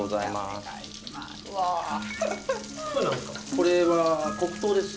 これは黒糖です。